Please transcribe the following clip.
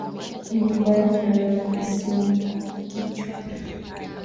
Ni mubaya kulala na simu ku kichwa